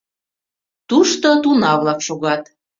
Тушто туна-влак шогат.